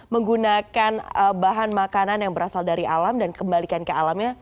menggunakan bahan makanan yang berasal dari alam dan kembalikan ke alamnya